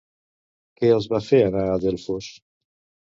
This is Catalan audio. Què els va fer anar a Delfos?